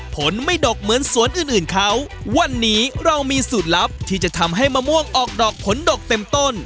ผลไม่ดกเหมือนสวนอื่นอื่นเขาวันนี้เรามีสูตรลับที่จะทำให้มะม่วงออกดอกผลดกเต็มต้น